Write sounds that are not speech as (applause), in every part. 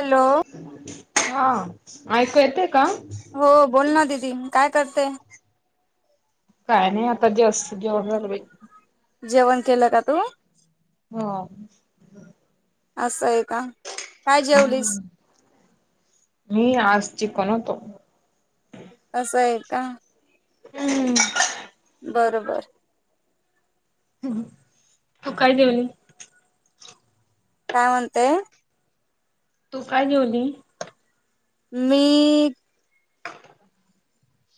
Hello हा ऐकू येत हो बोल ना दीदी काय करते काय नाही आता जास्त जेवन झालं बई जेवण केलं का तू हो असं आहे का काय जेवलीस हम्म मी आज शिकणतो असं आहे का हम्म बरोबर तू काय जेवली काय म्हणते. तू काय जेवली? मी..?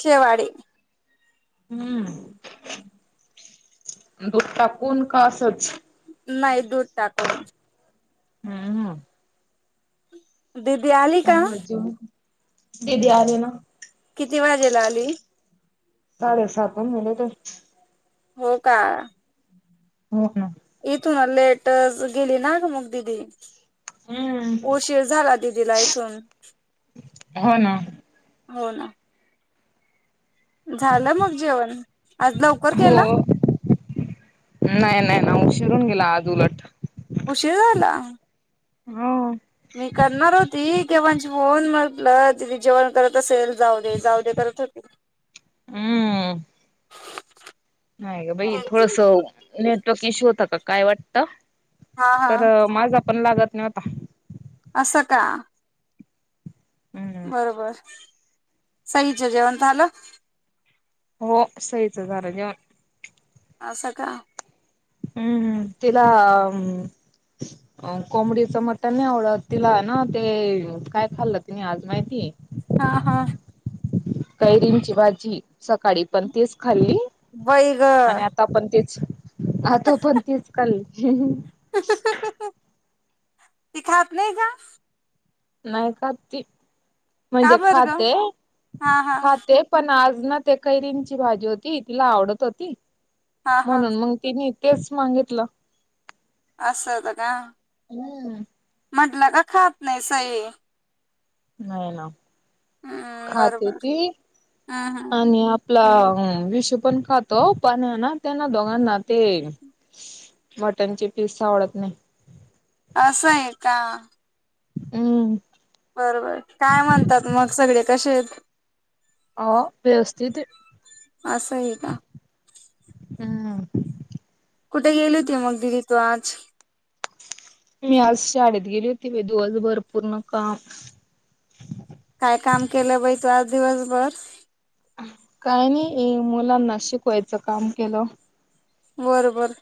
शेवडी (unintelligible) हम्म दुध टाकून का असंच? नाही, दूध टाकून. हम्म. दिदी आली का? चांगलं जेवून दिदी आले ना. किती वाजेला आली साडे सात म मले ते (unintelligible) हो का? हो ना. इथून लेटच गेली ना, ग मग दिदी. हम्म उशीर झाला, दिदीला इथून, हो ना. हो, ना. झालं मग जेवण? आज लवकर हो केला? नाही, नाही, ना उशीर होऊन गेला आज उलट. उशीर झाला? हो. मी करणार होती, केव्हाचे फोन म्हटलं दीदी जेवण करत असेल- जाऊ दे, जाऊ दे करत होती. हम्म नाही गं बाई,, थोडसंऽऽ नेटवर्क इश्यू होता का काय वाटतं, हा हा तरऽऽ माझा पण लागत नव्हता. असं का? हम्म. बर, बर,, सईच जेवणं झालंऽ हो,, सहीच झालं जेवण. असं का! हम्म हम् तिला अंऽऽ अं कोबडीचं मटन नाही आवडत, तिला ना, ते काय खाल्लं तिने आज माहितीय? हा, हा. कैरींची भाजी, सकाळी पण तीच खाल्ली, बाई ग आणि आता आपण तेऽऽ हा तो पण तीच खाल्ली हहहह ति खात नाई काऽ? नाही खात ती, का म्हणजे बरं ग खाते, हा हा खाते पण आजऽ ना ते खैरींची भाजी होती,,, तिला आवडत होती हा हा म्हणून मग तिऽऽ तेच मागितलं! असं हुत का?, हम्म. म्हटलं का खात नाही सई! नाही ना, हम्म खाते बरोबर ती हम्म हम्म आणिऽ आपला विषु पण खातो,, पण हे ना त्यांना दोघांना ते मटन ची पिस् आवडत नाही. असं आहे का? हम्. बर बर,, काय म्हणतात मग सगळे कसे आहेत? ह, व्यवस्थित ते. असंय का. हम्. कुठे गेली होती, मग दिदी तु आज? मी आज शाळेत गेली होती बाई दिवसभर पूर्ण काम काय काम केलं बाई तू आज दिवसभर? काय नाही,, मुलांना शिकवायचं काम केलं. बर, बर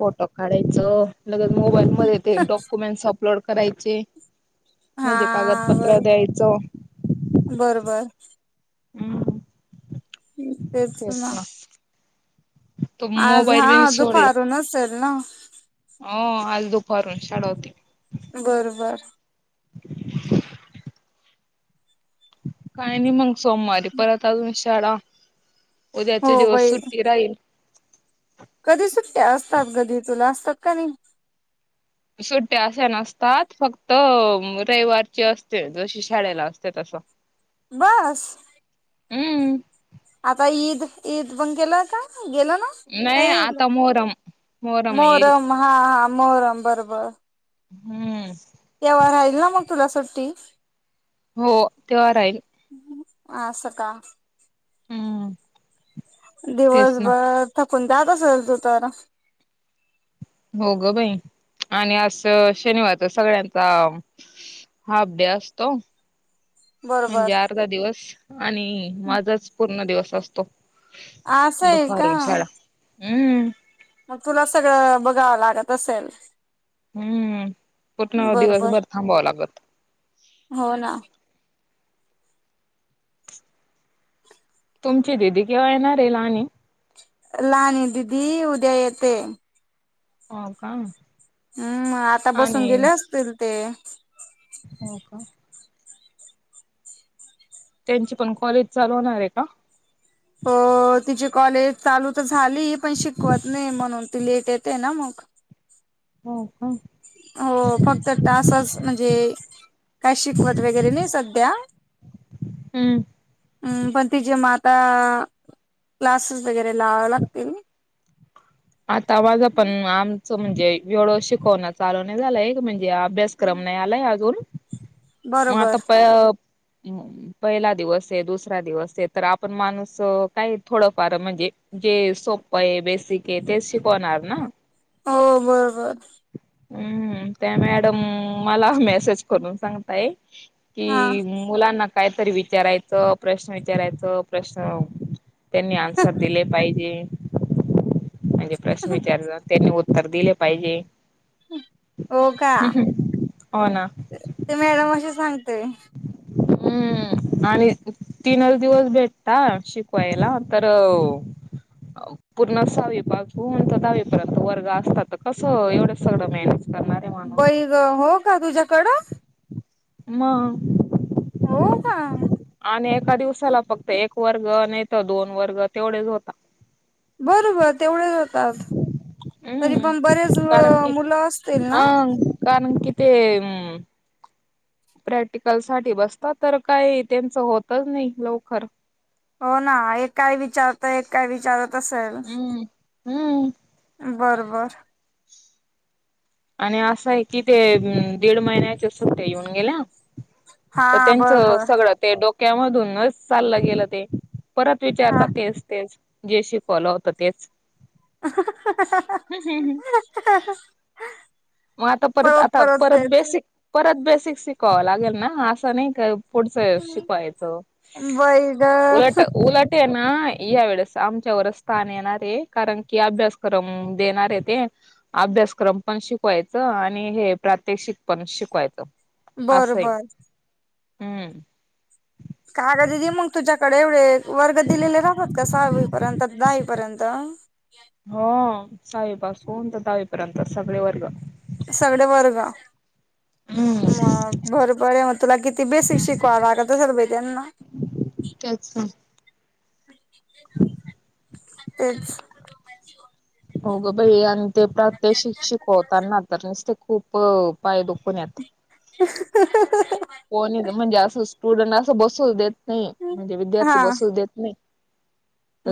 चऽऽमोबाईल मध्ये ते डॉक्युमेंट्स अपलोड करायचे. हा म्हणजे बर कागदपत्र द्यायचं. बरोबर हम्,, तेच ना तो आज मोबाईल बी हा,, सोडला दुपारून चल नाऽ हो आज दुपारून शाळा होती. बर, बर (unintelligible) काही नाही मग सोमवारी परत अजून शाळा. हो उद्याचे दिवस बाई सुट्टी राहील. कधी सुट्ट्या असतात गं दि तुला,, असतात का नाई. सुट्ट्या अश्या नसतात,, फक्त अंऽ रविवारची असते जशी शाळेला असते तसे. अच्छा (unintelligible) बऽऽस. हम् आता ईद, ईद बंग केला काऽ गेल ना,, ते,, नाही आता मोहरम मोहरम, हा, हा मोहरम बर, बर हम्म तेव्हा राहिल ना मग तुला सुट्टी हो तेव्हा राहील आ स का हम्म तेच ना दिवसभर थकून जात असेल तू तर हो ग बाई आणि अस शनिवारच सगळ्यांचा हा अभ्यासत बरोबर म्हणजे अर्धा दिवस आणि माझाच पूर्ण दिवस असतो असं आहे का दुपहर शाळा हम्म मग तुला सगळं बघावं लागत असेल हम्म पूर्ण बरोबर दिवसभर थांबावावं लागत हो ना तुमची दिीदी किं्हा येणार आहे ल आणि लान दिदी उद्या येते हो का हम्म आता बसून आणि गेले असतील ते हो का त्यांची पण कॉलेज चालवणार आहे का अ तिची कॉलेज चालू तर झाली पण शिकवत नाही म्हणून लेट येते ना मग हो हा हो फक्त तासच म्हणजे काय शिकवत वगैरे नाही सध्या् हम्म पण ति ज मात क्लासेस वगैरे लावे लागतील आता आवाज आपण आमचं म्हणजे वेळ शिकवण चालू नाही झाला एक म्हणजे अभ्यासक्रम नाही आलाय अजून मग आता बरोबर प ह पहिला दिवस आहे दुसरा दिवस आहे तर आपण माणूस काही थोडफार म्हणजे जे सोप आहे बेसिक आहे तेच शिकवणार ना हो बरोबर हम्म त्या मॅडम मला मेसेज करून सांगताय हा कि मुलांना कायतरी विचारायचं प्रश्न विचारायचं प्रश्न त्यांनी आन्सर दिले पाहिजे. म्हणजे प्रश्न विचारला त्यांनी उत्तर दिले पाहिजे. हो का हो ना (inaudible) ते मॅडम असे सांगतेय. हम्म आणि तीनच दिवस भेटता शिकवायला तर (inaudible) पूर्ण सहावीबाग होचा दहावीप वर्ग असतात तर कसं एवढं सगळं मळण्याचं. बैग हो का तुझ्याकडं. म, हो का? आणि एका दिवसाला फक्त एक वर्ग नाही तर दोन वर्ग तेवढेच होता बरोबर तेवढे जातात. तरी हम्म पण बरेच कारण की मुलं असतील ना, अं कारण कि ते, प्रॅक्टिकल साठी बसत तर काही त्यांचं होतच नाही लवकर, हो ना एक काय विचारत एक काय विचारत असेल? हम्म. हम्म, बरबर, आणि असं आहे कि ते दीड महिन्याच्या सुट्या येऊन गेल्या हा तर त्यांच बरोबर सगळं ते ड कमधूनच चाललं गेलं ते परत हा विचारत तेच-तेच जे शिकवालं होतं तेच (unintelligible) मग आता परत आता परत बेसिक परत बेसिक शिकवावं लागेल ना असं नाही का? पुढचं शिकवायचं बाई ग उट उलट. हा या वेळेस आमच्यावरच स्थान येणार आहे कारण की अभ्यास करून देणारे ते अभ्यासक्रम पण शिकवायचं आणि हे प्रात्यक्षिक पण शिकवायचं असं आहे बर-बर, हम्म, कागददी मग तुझ्याकडे एवढे वर्ग दिलेले राहत का सहावीपर्यंत दहावीपर्यंत. ह, हो सहावीपासून तर दहावीपर्यंत सगळे वर्ग. सगळे वर्ग हम्म म भरपर. तुला किती बेसिक शिकवा लाग तसल पाहि त्यांना. तेच ना, (unintelligible) हो गं बाई आणि ते प्रत्यक शिक्षिक होताना तरच ते खूप पाय दुखत पुण्यात येत, (unintelligible) कोणी म्हणजे असं स्टुडंट असं बसूच देत नाही म्हणजे विद्यार्थी हा बसूच देत नाही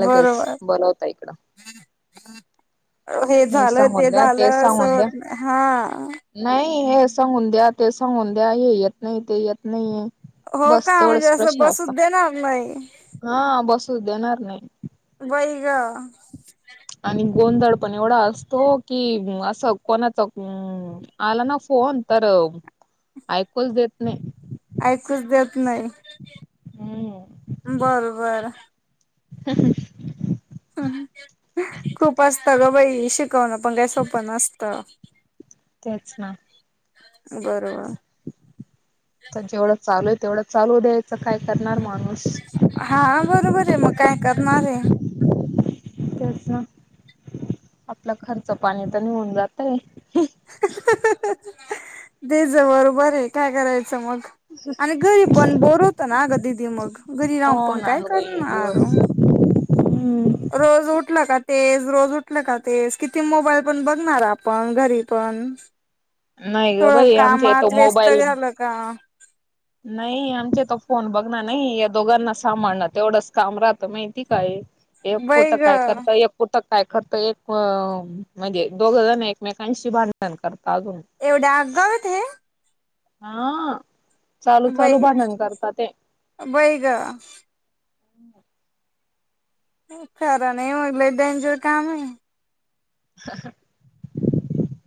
लगेच बरोबर बलावता इकडं. हे झालं ते सांगून द्या झालं असं सांगून द्या होत नाही हा नाही हे सांगून द्या ते सांगून द्या हे येत नाही ते येत नाही. हो बस का म्हणजे तेवढाच असं प्रश्न असत बसूच देणार नाही हा बसू देणार नाही. बईग, आणि गोंधळ पण एवढा असतो कि असं कोणाचा अ आला ना फोन तर ऐकच देत नाही. ऐकच देत नाही हम्म बरोबर, हा ह, खूप असतं ग बाई शिकवणं पण काही सोप नसत, तेच ना, तर जेवढं बरोबर चालू आहे तेवढं चालू द्यायचं काय करणार माणूस हा बरोबर आहे मग काय करणार आहे तेच ना आपलं खर्च पाणी तर निऊन जातय तेच बरोबर आहे काय करायचं मग आणि घरी पण बोर होत ना अ गं दिदी मग घरी रावून हो पण ना काय ग बाई करणार दिवस हम्म. रोज उठला का तेच रोज उठल का तेस किती मोबाईल पण बघणार आपण घरी पण नाही ग ो बाई आमच्या इथ कामात व्यस्त मोबाईल झालं का नाही आमचे तर फोन बघणार नाही या दोघांना सांभाळणार तेवढंच काम राहतं माहिती काय एक पुुट बाई ग काय करत एक पुट काय खरत एक म्हणजे दोघ जण एकमेकांशी भांडण करत अजून एवढ्या अगगावत हे हा चालू चालू बाई भाडण करत ते बाई ग खरा नाही मगलं ंजर काम आहे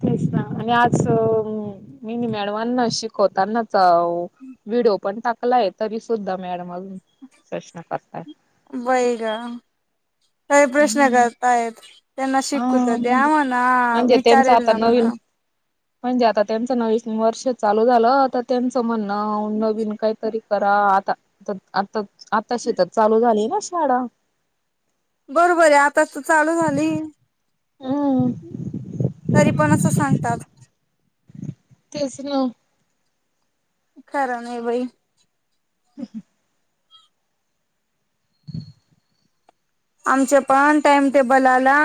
तेच ना आणि आज मी मॅडमांना शिकवतानाच व्हिडओ पण टाकलाय तरी सुद्धा मॅडम सष्णा पाताय काही प्रश्न करता येत त्यांना शिकू तर हा द्या म्हणजे म्हणा म्हणजे त्यांच विचारेल आता ना मला नवीन म्हणजे आता त्यांचं नवीन वर्ष चालू झालं तर त्यांचं म्हणणं नवीन काहीतरी करा आता आता आता शेतात चालू झाली ना शाळा बरोबर आहे आताच चालू झाली हा तरी पण असं सांगतात तेच ना खरं नाही बाई ह आमचे पण टाइम टेबल आला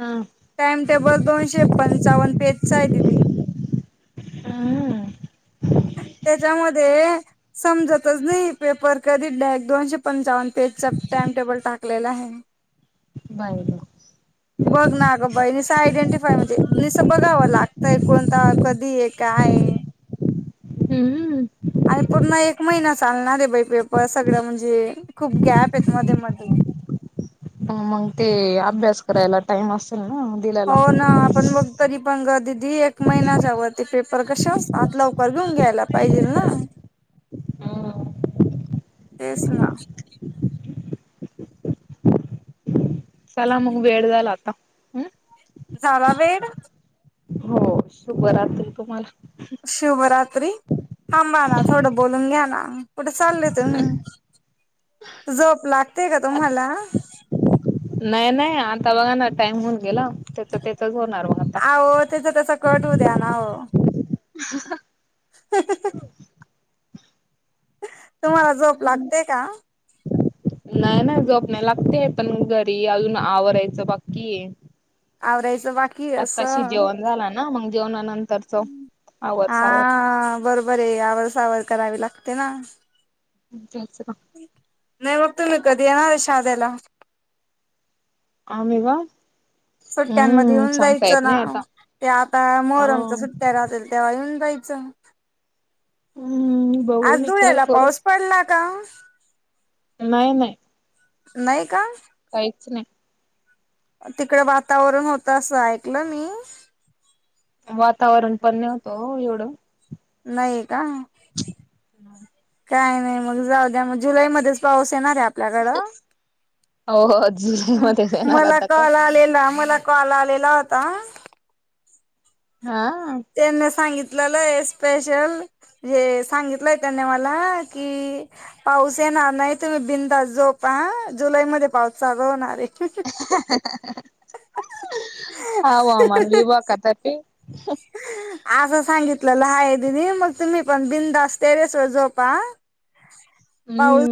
हा टाइमटेबल दोनशे पंचावन्न पेजस आहे दिदी हा ह त्याच्यामध्ये समजतच नाही पेपर कधी डॅग दोनशे पंचावन्न पेजचा टाइम टेबल टाकलेला आहे बाईला बघ ना ग बहिणी आयडेंटिफाय मध्ये निसतं बघाव लागतय कोणता कधी आहे काय हम्म आणि पूर्ण एक महिना चालणार आहे बाई पेपर सगळं म्हणजे खूप गॅप आहेत मध्ये मध्ये मग ते अभ्यास करायला टाइम असतो हो ना आपण मग तरी पण ग दिदी एक महिन्याच्यावरती पेपर कशा आत लवकर घेऊन घ्यायला पाहिजे ना तेच ना चला मग वेळ झाला आता हम झाला वेळ हो शुभरात्री तुम्हाला शुभरात्री थांबा ना थोडं बोलून घ्या ना कुठे चालल तुम्ही झोप लागते का तुम्हाला नाही नाही आता बघा ना टाइम होऊन गेला त्याच त्याचच होणार मघ आता करूद्या ना हो ह ह ह ह तुम्हाला झोप लागतेय का नाही नाही झोप नाही लागतेय पण घरी अजून आवरायचं बाक्की आहे आवरायचं बाकी आताशी असं. जेवण झाला ना मग जेवणानंतर हा बरोबर आहे आवर सावर करावी लागते ना जायचं का नाही मग तुम्ही कधी येणार शाध्याला आम्ही का सुट्ट्यामध्ये हम्म येऊन सांगता जायचं येत ना नाही आता ते आता अ मोहरमच्या सुट्ट्या राहत्याल तेव्हा येऊन बाई चां हम्म बघू आज विचार धुळ्याला करू पाऊस पडला का नाही नाही नाही का काहीच नाही तिकड वातावरण होतं असं ऐकलं मी वातावरण पण नव्हत एवढं नाही का काय नाही मग जाऊ द्या मग जुलै मध्येच पाऊस येणार हाय आपल्याकड हो जुलै म मध्ये येणार मला आता काय कॉल आलेला मला कॉल आलेला होता हा त्यांना सांगित स्पेशल सांगितलंय त्यांनी मला की पावसा ना नाही तुम्ही बिंदास जो प जुलै मध्ये पाऊस चाल होणार आहे. आव आमा ना विबा काताप ह असं सांगितलेलं हाय दिनी मग तुम्ही पण बिंदास टेरेसवर झोपा पाऊस हम्म